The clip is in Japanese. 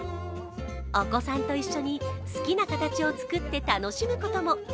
お子さんと一緒に好きな形を作って楽しむことも。